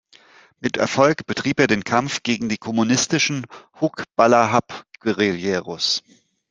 Mit Erfolg betrieb er den Kampf gegen die kommunistischen Hukbalahap-Guerilleros.